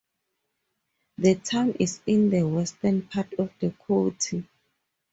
The town is in the western part of the county.